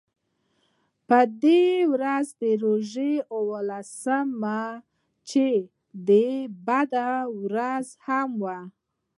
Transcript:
په دې ورځ د روژې اوولسمه وه چې د بدر ورځ هم وه.